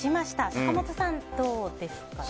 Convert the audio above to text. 坂本さん、どうですか？